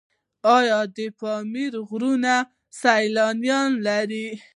آیا د پامیر غرونه سیلانیان لري؟